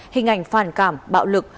hình ảnh phản cảm bạo lực